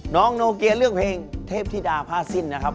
โนเกียเลือกเพลงเทพธิดาผ้าสิ้นนะครับ